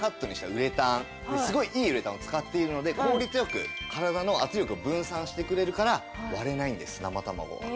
すごいいいウレタンを使っているので効率よく体の圧力を分散してくれるから割れないんです生卵が。